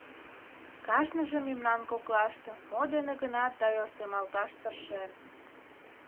Кажныже мемнан коклаште мо дене гынат да ойыртемалташ тыршен.